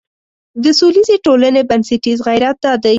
د سولیزې ټولنې بنسټیز غیرت دا دی.